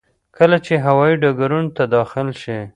کله چې هوايي ډګرونو ته داخل شي.